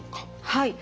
はい。